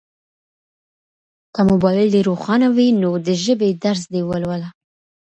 که موبایل دي روښانه وي نو د ژبې درس دي ولوله.